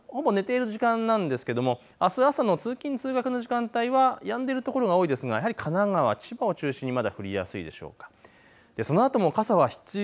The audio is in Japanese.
ほぼ寝ている時間なんですけれども、あす朝の通勤通学の時間帯はやんでいる所が多いですがやはり神奈川、千葉を中心にまだ降りやすいでしょうか。